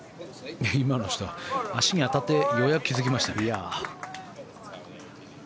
今の人、足に当たってようやく気付きましたね。